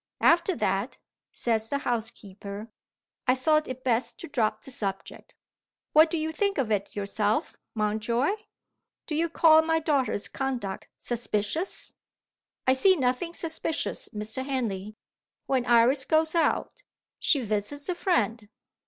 After that' (says the housekeeper) 'I thought it best to drop the subject.' What do you think of it yourself, Mountjoy? Do you call my daughter's conduct suspicious?" "I see nothing suspicious, Mr. Henley. When Iris goes out, she visits a friend."